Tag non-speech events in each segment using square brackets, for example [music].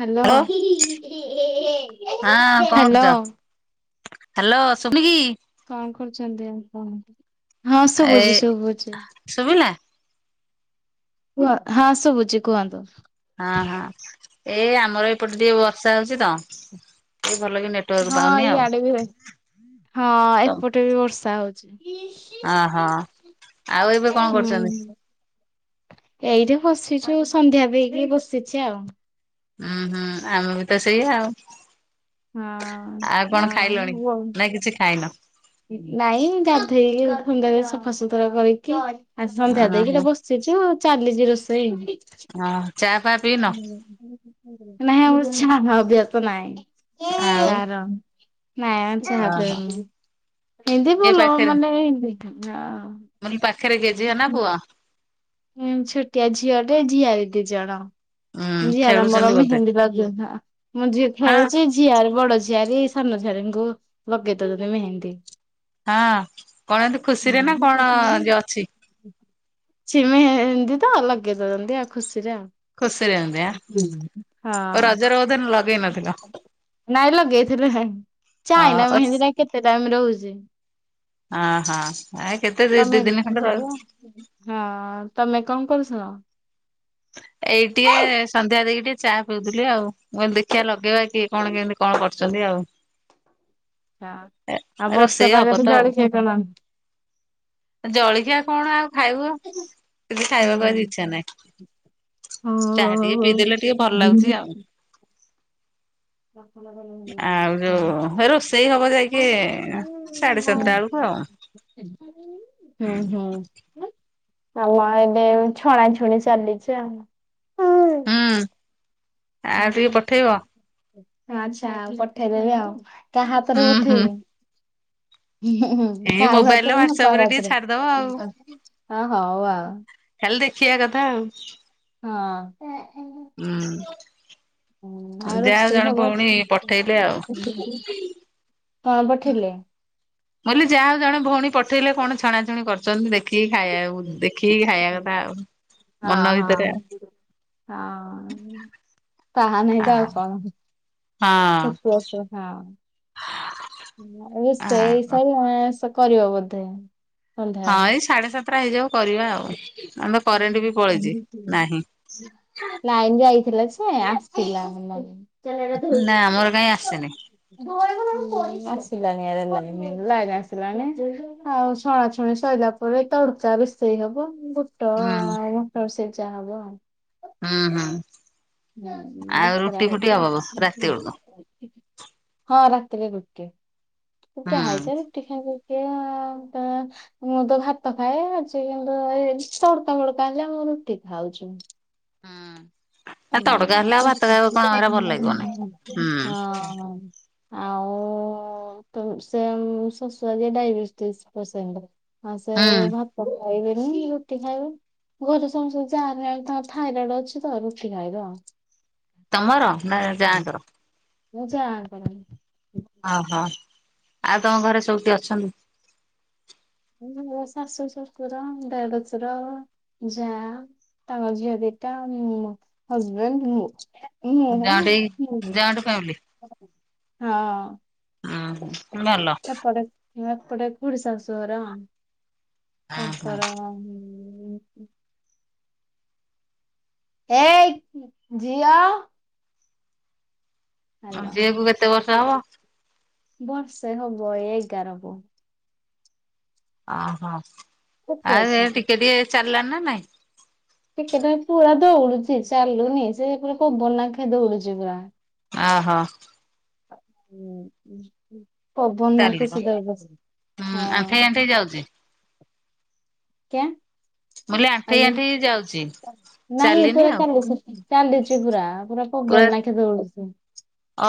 Hello hello hello. Hello ସୁବୁନିକି? କଣ କରୁଛନ୍ତି ଆପଣ ହଁ ଏ ଶୁଭୁଛି ଶୁଭୁଛି। ଶୁଭିଲା କୁହ ହଁ ଶୁଭୁଛି କୁହନ୍ତୁ। ହଁ ହଁ। ଏ ଆମର ଏପଟେ ଟିକେ ବର୍ଷା ହଉଛି ତ ଭଲ କି ନେଟୱାର୍କ ହଁ ପାଉନି ଆଉ। ଇଆଡେ ବି ହଁ ଏପଟେ ବି ବର୍ଷା ହଉଛି। ଓହୋ ଆଉ ଏବେ କଣ କରୁଛନ୍ତି? ହୁଁ ଏଇଠି ବସିଛୁ ସନ୍ଧ୍ୟା ଦେଇକି ବସିଛି ଆଉ। ହୁଁ ହୁଁ ଆମେ ବି ତ ସେଇଆ ଆଉ। ହଁ। ଆଉ କଣ ଖାଇଲଣି ଆଉ ନାଇ କିଛି ଖାଇନ? ନାଇଁ ଗାଧେଇକି ଥଣ୍ଡାରେ ସଫାସତୁରା କରିକି ଆ ସନ୍ଧ୍ୟା ଓହୋ ଦେଇକିତ ବସିଛୁ ଆଉ ଚାଲିଛି ରୋଷେଇ। ହଁ ଚା ଫା ପିଇନ ନାଇଁ ଆମର ଛା ଅଭ୍ୟାସ ନାହିଁ। ଆଉ। ତାର ନାଇଁ ଚାହା ଓହୋ ପୀଉନୁ ହେନ୍ତି ଭଲ ମାନେ ହେନ୍ତି ହଁ। ମ ପାଖରେ କିଏ ଝିଅ ନା ପୁଅ? ଛୋଟିଆ ଝିଅଟେ ଝିଆରି ଦି ଜଣ। ହୁଁ ଝିଅର ମୋର୍ ଖେଳୁଛନ୍ତି ବୋଧେ ମେହେନ୍ଦୀ ଲଗେ ବା ମୁଁ ଝିଅ ହଁ ଖେଳୁଛି ମୋ ଝିଆରୀ ବଡ଼ ଝିଆରି ସାନ ଝିଆରୀଙ୍କୁ ଲଗେଇ ଦେଉଛନ୍ତି ମେହେନ୍ଦୀ। ହଁ କଣ ଏନ୍ତୀ ଖୁସିରେ ନା କଣ ଯଉ ଅଛି? ଛିମି ମେହେନ୍ଦି ତ ଲଗେଇଦେଉଛନ୍ତି ଆଉ ଖୁସି ହଁ। ଖୁସିରେ ଏମିତି ଆଁ? ରଜରେ ବୋଧେ ଲଗେଇ ନଥିଲ ନାଇଁ ଲଗେଇଥିଲେ ଚାଇଁନା ହଁ ମେହେନ୍ଦୀଟା କେତେ ଟାଇମ ରହୁଛି। ଅହ ଏ କେତେ ଦି ଦିନ ଖଣ୍ଡେ ତମେ ରହିବ। ହଁ ତମେ କଣ କରୁଛ? ଏଇ ଟିକେ ସନ୍ଧ୍ୟା ଦେଇକି ଟିକେ ଚା ପିଉଥିଲି ଆଉ ଦେଖିବା ଲଗେଇବା କିଏ କଣ କେମିତି କଣ କରୁଛନ୍ତି? ଆଉ। ଆଉ ଵର୍ଷା ରୋଷେଇ ହବ ତ ପାଗରେ ଆଉ ଜଳଖିଆ କଣ? ଜଳଖିଆ କଣ ଆଉ ଖାଇବୁ। କିଛି ଖାଇବାକୁ ଆଜି ହୁଁ ଇଛା ନାହିଁ। ଚାହା ଟିକେ ହୁଁ। ପିଇଦେଲେ ଟିକେ ଭଲ ହୁଁ। ଲାଗୁଛି ଆଉ। ଆଉ ଆମ ଯୋଉ ରୋଷେଇ ହବ ଯାଇକି ସାଢେ ସାତଟା ବେଳକୁ ଆଉ। ହୁଁ ହୁଁ। ଆମ ଏବେ ଛଣାଛୁଣି ଚାଲିଛି ଆଉ। ହୁଁ ଆଉ ଟିକେ ପଠେଇବ। ଆଚ୍ଛା ଆଉ ପଠେଇଦେବି ଆଉ କାହା ହାତରେ ହୁଁ ହୁଁ ପଠେଇବି। ଁ ଏଇ କାଉ ମୋବାଇଲରେ ହାତରେ ନା ହ୍ୱାଟସଆପ ପା ରେ ଟିକେ ହାତରେ ଛାଡିଦବ ଆଉ ହଁ ହଉ ଆଉ। ଖାଲି ଦେଖିବା କଥା ଆଉ। ହଁ। ହୁଁ। ହ ଆଉ ଯାହା ହଉ ରୋଷେଇ ଜଣେ ଭଉଣୀ ପଠେଇଲେ ଆଉ। ଖବର। ହଁ ପଠେଇଲେ। ବ ଯାହାଉଣ ଭଉଣୀ ପଠେଇଲେ କଣ ଛଣାଛୁଣି କରୁଛନ୍ତି ଦେଖି ଦେଖିକି ଖାଇବା ଦେଖିକି ଖାଇବା କଥା ଆଉ ହଁ ମନ ଭିତରେ ଆଉ। ହଁ। ହଁ। ତାହା ନହି ଆଉ ଦଉ କଣୁ ହଁ। ଅୁ ହଁ। ଏ ଆ ସେଇ ହଁ ସବୁେ କରିବ ବୋଧେ ହଁ ସନ୍ଧ୍ୟାବେଳେ। ଏଇ ସାଢ଼େ ସାତଟା ହେଇଯାଉ କରିବା ଆଉ ଆମର ତ କରେଣ୍ଟ ବି ପଳେଇଛି। ନାହିଁ ଲାଇନ ଯାଇଥିଲା। ସେ ଆସିଥିଲାଲା ନା ଆମର କାହିଁ ଆସିନି ଧୋଇ ଆ। ଆସିଲାଣି ଆରେ ଲାଇ ଲାଇନ ଆସିଲାଣି ଆଉ ଶଛୁଣାଛୁଣି ସରିଲା ପରେ। ତଳୁକୁ ଚା ରଷେଇ ହବ ଗୋଟ ହୁଁ। ଗୋଟ ରୋଷେଇ ଚା ହବ ଆ ହଁ ହଁ। ହୁଁ ବଖର ହେ ରାତି ବେଳକୁ ହଁ ରାତିରେ ଗୋଟିଏ ହୁଁ ଏତେ ହୁଁ। ହାଇଜା ରୁଟି ଖାଇକି ଅଁ ମୁଁ ତ ଭାତ ଖାଏ ଆଜି କିନ୍ତୁ ଏ ତଡ଼କା ଫଡ଼କା ହେଲେ ଆମ ରୁଟି ଖାଉଛୁ। ହଁ ହୁଁ ଭଲ ଲାଗିବନି [unintelligible] ହୁଁ ହଁ ଆଉ ସେ ଶଶୁରଆ ଡାଇବେଟିସ୍ ପସେଣ୍ଟ୍ ଆ ସେ ହୁଁ। ଭାତ। କହିବନି ରୁଟି ଖାଇବେ ଘରେ ସମସ୍ତଙ୍କୁ ଯାହା ତାଙ୍କ ଥାଇରଏଡ଼ ଅଛି ତ ରୁଟି। ଛିିକାଇଦ। ତମର ନା ଜାଆ ଙ୍କ ର। ମୋ ଜାଆ ପାଇଁ। ଓହୋ ଆଉ ତମ ଘରେ ସବୁଠି ଅଛନ୍ତି। ହ ଶାଶୁ ଶଶୁର ଦେଢ଼ଶୁର। ଯାଆ ତାଙ୍କ ଝିଅ ଦିଟା ମୋ ହଜବେଣ୍ଡ ମୁଁ। ମୁଁ ଜଏଣ୍ଟ ମୁଁ ହେଇକି ଯିବି ଜଏଣ୍ଟ୍ ଫାମିଲି। ହଁ ଓୋ ଏପଟ ଏପଟ ଖୁଡ଼ି ସାଶୁଘର। ତାଙ୍କର ହଁ। ଏକ ଝିଅ। ଆ ହାଲୋ ଝିଅଗୁ କେତେ ବର୍ଷ ହବ ବର୍ଷେ ହବ ଏଗାର ହବ। ଓହୋ ଛୋଟିଆ ଆଉ ଛୁଆଟେ ଟିକେ ଟିକେ ଚାଲିଲଣି ନା ନାଇଁ। ଟିକେ ଟ ପୁରା ଦଉଡୁଛି ଚାଲୁନି ସେ ପୁରା ପବନ ନାଖେ ଦୌଉଡୁଛି ପୁରା। ଆ ହୋ ହୁଁ। ପବନ ନା ଚାଲିବ ସିଧା ହଁ ହୁଁ ଆଣ୍ଠେଇ ଆଣ୍ଠେଇ ଯାଉଚି କି ମୁଁ କହିଲି ଆଣ୍ଠେଇ ଆଞ ଆଣ୍ଠେଇ ଯାଉଚି। ନାଇଁ ଚାଲିନି ପୁରା ଆଉ ଚାଲୁ ଚାଲିଛି ପୁରା। ପବନ ପୁରା ନାଖେ ଦୌଡୁଛି।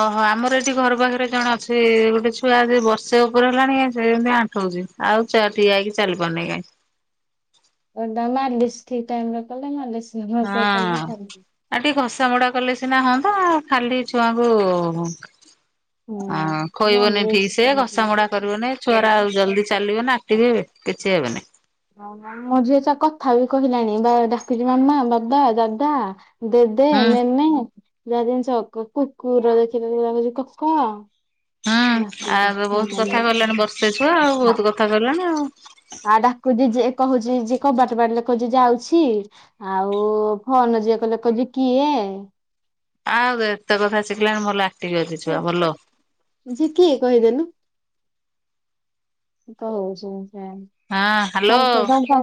ଓହୋ ଆମର ଏଠି ଘର ପାଖରେ ଜଣେ ଅଛି ଗୋଟେ ଛୁ ଛୁଆ ଯ ବର୍ଷେ ଉପରେ ହେଲାଣି କାଇଁ ସେମିତି ଆଣ୍ଠଉଚି ଆଉ ଛ ଠିଆ ହେଇକି ଚାଲି ପାରୁନି କାଇଁ। ଅଁ ଦାମାଡ ଡିଷ୍ଠିକ ଟାଇମରେ କଲେ ନା ଡିସ୍ ହଁ ଆଉ ଟିକେ ଘଷା ମୋଡା କଲେ ସିନା ହଅନ୍ତା ଖାଲି ଛୁଆଙ୍କୁ ଆ ହଁ। ଖୋଇବନି ଠିକ ସେ ଘଷା ମୋଡ଼ା କରିବନି ଛୁଆରା ଆଉ ଜଲଦି ଚାଲିବ ନା ଆକ୍ଟିଭ ହେବେ। କିଛି ହେବେନି। ଆଉ ମୋ ଚ କଥା ବି କହିଲାଣି ବା ଡାକୁଚି ମାମା ବାବା ଦାଦା। ଦେଦେ ହୁଁ ନେନେ ଯାହା ଜିନିଷ କୁ କୁକୁର ଦେଖିଲ ଡାକୁଚି କକ। [inaudible] ହୁଁ ଆ ଡାକୁଚି ବହୁତ କଥା କହିଲାଣି ବର୍ଷେ ଛୁଆ ଆଉ ବହୁତ କଥା କହିଲାଣି [unintelligible] ଆଉ। ଆଁ ଡାକୁଚି ଯିଏ କୋହୁଚି ଯି ଯିଏ କବାଟ ବାଡେଇଲେ କୋହୁଚି ଯାଉଛି ଆଉ ଫୋନ ଯିଏ କଲେ କୋହୁଚି କିଏ। [inaudible] ଆଉ ଏତେ କଥା ଶିଖିଲାଣି ମଲା ଝିଅ କିଏ କହିଦେନୁ। କଁ ହୋଉଛି ସେ। ହଁ ହ୍ୟାଲୋ। [unintelligible]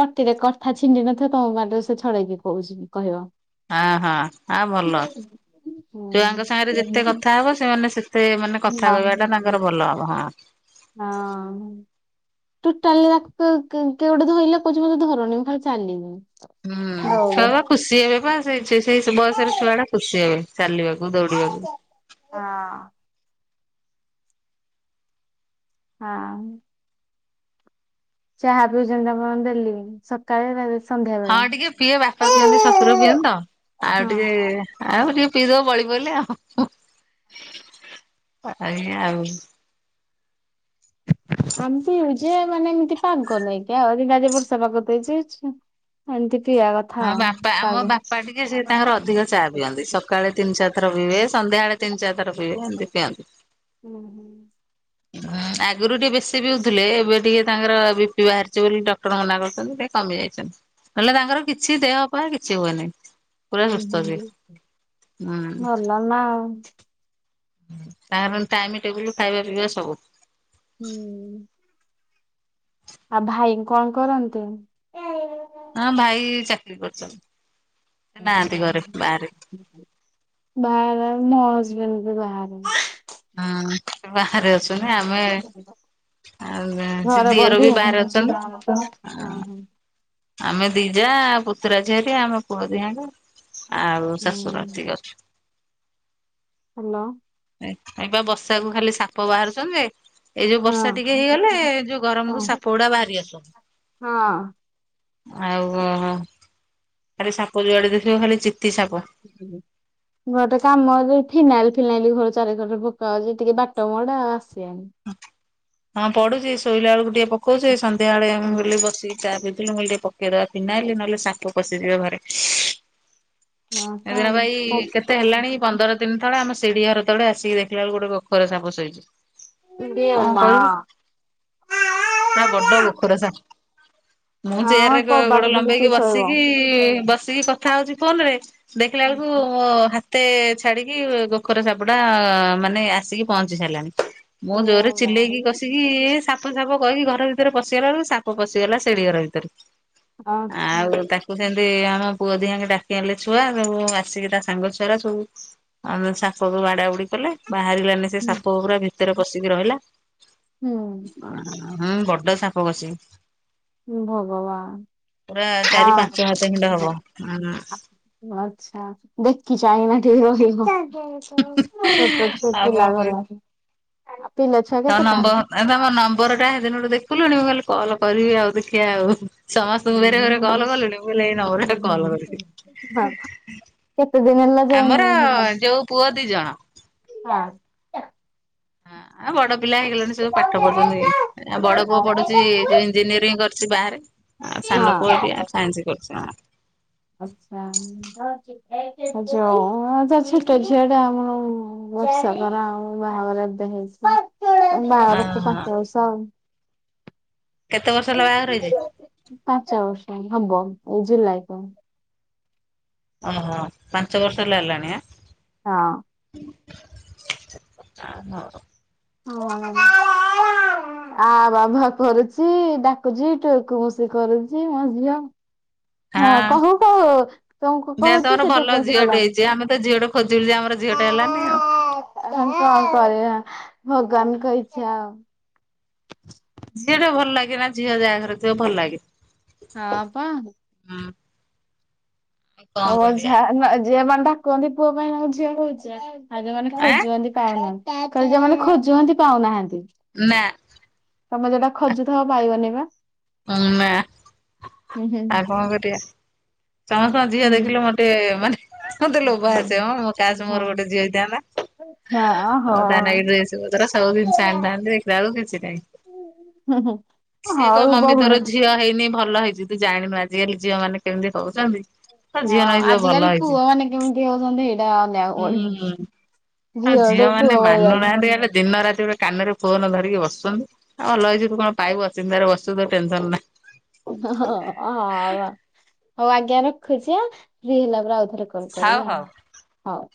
ପାଟିରେ କଥା ଛିଣ୍ଡି ନଥିବ ତମ ପାଟିରୁ ସେ ଛଡ଼େଇକି କୋହୁଛି କହିବ। ଆହଁ ଆଁ ଭଲ। ଛୁଆଙ୍କ ହଁ। ସାଙ୍ଗରେ ଯେତେ କଥା ହବ ସେମାନେ ସେତେ ମାନେ କଥା କହିବା ଟା ତାଙ୍କର ଭଲ ହବ ହିଁ। ହିଁ। ଟୁଟାଲି ତାକୁ କୁ କି କିଏ ଗୋଟେ ଧଇଲେ କୋହୁଚି ମତେ ଧରନି ମୁଁ ଖାଲି ଚାଲିବି। ହୁଁ ଛୁଆ ଦୌଡେ ପା ଖୁସି ହେବେ ପା ସେଇ ସେଇ ସେଇ ବୟସରେ ଛୁଆ ଗୁଡା ଖୁସି ହେବେ। ଚାଲିବାକୁ ଦୌଡିବାକୁ। ହଁ ହଁ। ଚାହା ପିଉଛନ୍ତି ଆପଣ ଡେଲି ସକାଳେ ରା ସ୍ ହଁ ଟିକେ ପିଏ ବାପା ପିଅନ୍ତି ଶଶୁର ପିଅନ୍ତି ତ ଆଉ ଟିକେ ଆଉ ମୁଁ ଟିକେ ପିଇ ଦୋଉ ବଳିିପଡିଲେ ଆଉ ଆଉ ଏଇଆ ଆଉ। [inaudible] ଆମେ ପିଉ ଯେ ମାନେ ଏମିତି ପାଗ ନାଇଁକି ଆଉ ଜିନ୍ତି ଆଜି ବର୍ଷା ପାଗ ଦେଇଛି ଛ [unintelligible] ଆମ ବାପା ଆମ ବାପା ଟିକେ ସେ ତାଙ୍କର ଅଧିକ ଚାହା ପିଅନ୍ତି ସକାଳେ ତିନି ଚାରି ଥର ପିଇବେ ସନ୍ ନ୍ଧ୍ୟା ବେଳେ ତିନି ଚାରି ଥର ପଇବେ ଏମିତି ପିଆନ୍ତି। ଉହୁଁ। ଅଁ ଆଗରୁ ଟିକେ ବେଶୀ ପିଉଥିଲେ ଏବେ ଟିକେ ତାଙ୍କର ବିପି ବାହାରିଛି ବୋଲି ଡକ୍ଟର ମନା କରୁଛନ୍ତି ଟିକେ କମି ଯାଇଛି ତା ହେଲେ ତାଙ୍କର କିଛି ଦେହ ପା କିଛି ହୁଏନି। ପୁରା ହୁଁ ସୁସ୍ଥ ବି ହୁଁ ହୁଁ। ଭଲ ନା ଆଉ ତାପରେ ଟାଇମ ଟେବୁଲୁ ଖାଇବା ପିଇବା ସବୁ। ହୁଁ। ଆଉ ଭାଇ କଁ କରନ୍ତି ଖେଳିବି। ହଁ ଭାଇ ଚାକିରି କରିଚନ୍ତି। ଆଚ୍ଛା ବାହାରେ ମୋ ହଜବେଣ୍ଡ୍ ବି ବାହାରେ ହଁ ବାହାରେ ଅଛୁ ନା ଆମେ ଆଉ ଗାଁ ସେ ଘର ଦିଅର ବନ୍ଦୀ ବି ଆଉ ହଁ ବାହାରେ ହଁ ଅଛନ୍ତି ଆ ହଁ ହ୍ୟାଲୋ ଆମେ ଦି ଜାଆ ପୁତୁରା ଝିଆରି ଆଉ ମୋ ପୁଅ ଦିହାଙ୍କ ଆଉ ଶାଶୁର ଏତିକି ଅଛୁ। ହାଲୋ। ଏ ଏଇ ପା ବର୍ଷା କୁ ଖାଲି ସାପ ବାହାରୁଛନ୍ତି। ଏଇ ଯୋଉ ହଁ ବର୍ଷା ଟିକେ ହେଇଗଲେ ଏ ଯୋଉ ଗରମକୁ ହଁ ସାପ ଗୁଡା ବାହାରି ଆସୁଛନ୍ତି। ହଁ। ଆଉ ଖାଲି ସାପ ଯୁଆଡେ ଦେଖିବ ଖାଲି ଚି ଗୋଟେ କାମଦେ ଫିନାଇଲି ଫିନାଇଲି ଘର ଚାରିକର ପୋକା ହଉଚି ଟିକେ ବାଟ ମୁଁହଁଟା ଆସିବେନି। ହଁ ପଡୁଚି ଶୋଇଲା ବେଳକୁ ଟିକେ ପକଉଚି ସନ୍ଧ୍ୟା ବେଳେ ମୁଁ ବୋଲି ବସିିକି ଚା ପିଉଝଥିଲି ମୁଁ କହିଲି ଟିକେ ପକେଇଦବା ଫିନାଇଲି ନହେଲେ ସାପ ପଶିଯିବ ଘରେ। ମା ଏ ଦିନ ପା ଏଇ କେତେ ହେଲାଣି ପନ୍ଦର ଦିନ ତଳେ ଆମ ସିଡି ଘର ତଳେ ଆସିକି ଦେଖିଲା ବେଳକୁ ଗୋଟେ ଗୋଖର ସାପ ଶୋଇଚି। କଣ କରିବୁ ପୁରା ବଡ ଗୋଖର ସାପ। ମୁଁ ହଁ ଚେୟାରରେ କବାଟ ଗୋ-ଗୋଡ ଦେଇ ଲମ୍ବେଇକି କିଏ ଶୋଇବ? ବସିକି ବସିକି କଥା ହୋଉଚି ଫୋନରେ। ଦେଖିଲା ବେଳକୁ ମୋ ହା ତେ ଛାଡିକି ଗୋଖର ସାପଟା ମାନେ ଆସିକି ପହଞ୍ଚି ସାଇଲାଣି। ମୁଁ ଜୋରେ ଚିଲେଇକି କଷିକି ସାପ ସାପ କହିକି ଘର ଭିତରେ ପଶିଗଲା ବେଳକୁ ସାପ ପସିଗଲା ସେଡିଘର ଭିତରେ। ଆଚ୍ଛା। ସେ ଆମ ପୁଅ ଦିହାଙ୍କେ ଡାକି ଆଣିଲେ ଛୁଆ ସବୁ ଆସିକି ତା ସାଙ୍ଗ ଛୁଆରା ସବୁ [unintelligible] ସାପକୁ ବାଡା ବୁଡି କଲେ ବାହାରିଲାନି ସେ ସାପ ପୁରା ଭିତରେ ପଶିକି ରହିଲା। ହୁଁ। ହଁ ବଡ ସାପ କସିକି। ଉଁ ପୁରା ଭଗବାନ ଚାରି ପାଞ୍ଚ ଅଂ ହାତ ଖଣ୍ଡେ ହବ। [inaudible] ଆଚ୍ଛା ଦେଖି ଚାହିଁନା ଟିକେ ରହିବ। ଛୋଟ ଛୁ ପିଲା ଘର। ପିଲା ଛୁଆ ତୋ କେତେଟା? ନମ୍ବର ତମ ନମ୍ବରଟା ହେଦିନଠୁ ଦେଖିଲୁଣି ମୁଁ କହଲି କଲ କରିବି ଆଉ ଦେଖିଆ ଆଉ। ସମସ୍ତଙ୍କୁ ଭେରେ ଭେରେ କଲ୍ କଲିଣି। ମୁଁ କହିଲି ଏଇ ନମ୍ବରଟା କଲ୍ ହଁ କରିବି। କେତେ ଦିନ ହେଲା ଜଏନିଂ ଆମର ଯୋଉ ପୁଅ ଦି ଜଣ। ହଁ। ହଁ ଆ ବଡ ପିଲା ହେଇଗଲେଣି ସବୁ ଯୋଉ ପାଠ ପଢୁଚନ୍ତି ଆଉ ବଡ ପୁଅ ପଢୁଚି ଯୋଉ ଇଞ୍ଜିନିୟରିଂ କର୍ ସିଏ ବାହାରେ ଆ ସାନ ପୁଅ ଏଠି ବି ଆ ସାଇନ୍ସ କରୁଚି ହଁ। ଆଚ୍ଛା ଯୋଉ ଯା ଛଟ ଝିଆ ଟା ଆମର ବର୍ଷକର ଆଉ ବାହାଘର ଏବେ ହେଇଚି। ବାହାଘରକୁ ପାଞ୍ଚ ବର୍ଷ ଆଉ। କେତେ ବର୍ଷ ହେଲା ବାହାଘର ହେଇଛି? ପାଞ୍ଚ ବର୍ଷ ହବ ଏଇ ଜୁଲାଇ କୁ। ଓହୋ ପାଞ୍ଚ ବର୍ଷ ହେଲା ହେଲାଣିଆ ଆଁ। ହଁ। ଆ ହୋଉ। ହଁ। ଆ ବାବାଃ କରୁଚି ଡାକୁଚି ଟୁଉକୁ ମୁଷି କରୁଚି ମୋ ଝିଅ। ହଁ କୋହୁ କୋହୁ ତମକୁ ଯାହା କୋହୁଚି ତମର ସେଟା ଭଲ କଣ ପାଇଁ ଝିଅଟେ କଲଣି। ହେଇଛି ଆମେ ତ ଝିଅଟେ ଖୋଜିଲୁ ଯେ ଆମର ଝିଅଟେ ହେଲାନି ଆଉ କଣ କରିବା। ଭଗବାନଙ୍କ ଇଚ୍ଛା ଆଉ। ଝିଅଟା ଭଲ ଲାଗେ ନା ଝିଅ ଯାହାଘରେ ଥିବ ଭଲ ଲାଗେ। ହଁ ପା। ହୁଁ। କଣ ଓ ହୋ କରିବା ଝା ନା ଝିଏ ମାନେ ତ କୁହନ୍ତି ପୁଅ ପାଇଁ ଆଉ ଝିଅ ହୋଉଚି। ଆଉ ଯୋଉମାନେ ଆଁ ଖୋଜୁଚନ୍ତି ପାଉନାହାନ୍ତି କହିଲ ଯୋଉମାନେ ଖୋଜୁହନ୍ତି ପାଉନାହାନ୍ତି। ନାଁ। ତମେ ଯୋଉଟା ଖୋଜୁଥବ ପାଇବନି ପା। ଉଁ ମା ଆଉ କଣ କରିବା। ସମସ୍ତଙ୍କ ଝିଅ ହୁଁ ଦେଖିଲେ ମୋତେ ମାନେ [unintelligible] ମତେ ଲୋଭ ଆସେମ। ମୋ କାସ୍ ହଁ ମୋର ଗୋଟେ ଝିଅ ହେଇଥାନ୍ତା। ହଁ ଆଉ ତାନାଗି ହଁ। ଡ୍ରେସ ପତର ସବୁଜିନିଷ ଆଣିଥାନ୍ତି ଦେଖିଲା ବେଳକୁ କିଛି ନାହିଁ। ହୁଁ ହୁଁ। ସିଏ କହ ମମି ତୋର ଝିଅ ହେଇନି ଭଲ ହେଇଚି ତୁ ଜାଣିନୁ ଆଜିକାଲି ଝିଅ ମାନେ କେମିତି ହୋଉଚନ୍ତି। ଆ ଝିଅ ହଁ ନହେଇଚି ତୋ ଆଜିକାଲି ଭଲ ହେଇଚି ପୁଅ ମାନେ କେମିତି ହଉଛନ୍ତି ଏଇଟା ଅନେଇବାକୁ ଉଁ ପଡିବ। ହୁଁ ଆ ଝିଅଠୁ ଝିଅ ପୁଅ ମାନେ ଭଳି ଯାଉଛନ୍ତି ମାନୁନାହାନ୍ତି ଖାଲି ଦିନ ରାତି ସେଟେ କାନରେ ଫୋନ ଧରିକି ବସୁଛନ୍ତି ଆଉ ହୋ ଭଲହେଇଛି ତୁ କଣ ପାଇବୁ ଅଚିନ୍ତା ରେ ବସୁ ତ ଟେନସନ ନାହିଁ। ଓ ହଁ ହଁ ହଉ ଆଜ୍ଞା ରଖୁଛି ଆଁ ଫ୍ରି ହେଲା ପରେ ଆଉ ଲେ କଲ୍ ହଉ କରିବି ହଉ। ଆଉ